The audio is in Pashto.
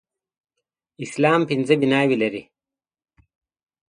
اسلام پنځه بناوې لري